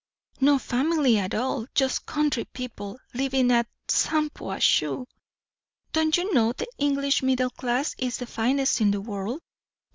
"No family at all. Just country people, living at Shampuashuh." "Don't you know, the English middle class is the finest in the world?"